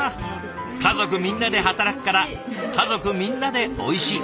家族みんなで働くから家族みんなでおいしい！